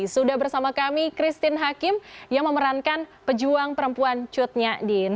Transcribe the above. sudah bersama kami christine hakim yang memerankan pejuang perempuan cut nyadin